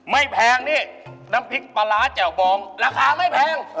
แพงนี่น้ำพริกปลาร้าแจ่วบองราคาไม่แพง